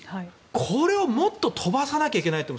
これをもっと飛ばさなきゃいけないと思う。